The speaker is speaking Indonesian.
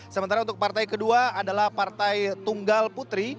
sementara untuk partai kedua adalah partai tunggal putri